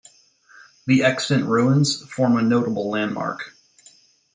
The extant ruins form a notable landmark.